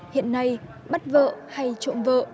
hiện nay bắt vợ hay trộm vợ